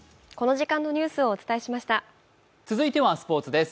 続いてはスポーツです。